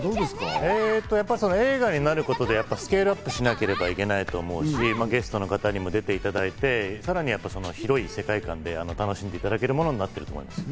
映画になることでスケールアップしなきゃいけないと思うし、ゲストの方にも出ていただいて、さらに広い世界感で楽しんでいただけるものになっていると思います。